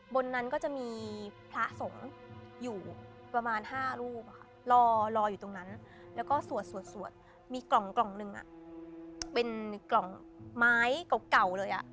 บนนั้นก็จะมีพระสงฆ์อยู่ประมาณ๕รูปรออยู่ตรงนั้นแล้วก็สวดสวดมีกล่องหนึ่งเป็นกล่องไม้เก่าเลย